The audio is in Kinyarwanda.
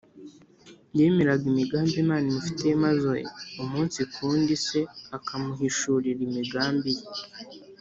Yemeraga imigambi Imana imufitiye maze umunsi ku wundi Se akamuhishurira imigambi Ye